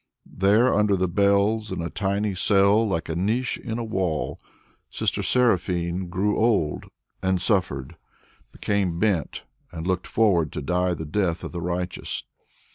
There under the bells, in a tiny cell like a niche in a wall, Sister Seraphine grew old and suffered, became bent and looked forward to die the death of the righteous.